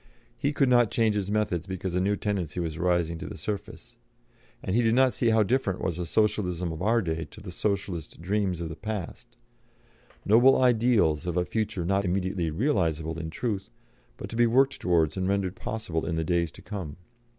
He could not change his methods because a new tendency was rising to the surface, and he did not see how different was the Socialism of our day to the Socialist dreams of the past noble ideals of a future not immediately realisable in truth, but to be worked towards and rendered possible in the days to come.